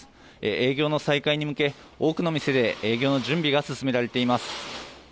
営業の再開に向け、多くの店で営業の準備が進められています。